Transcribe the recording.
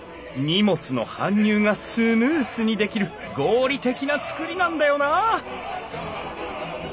荷物の搬入がスムーズにできる合理的な造りなんだよなあ！